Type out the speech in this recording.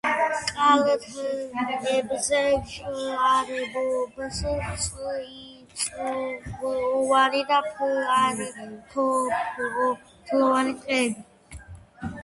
კალთებზე ჭარბობს წიწვოვანი და ფართოფოთლოვანი ტყეები.